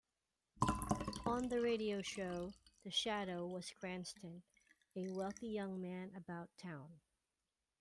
On the radio show, The Shadow was Cranston, a wealthy young man about town.